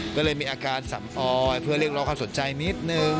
ก็เลยมีอาการสำออยเพื่อเรียกร้องความสนใจนิดนึง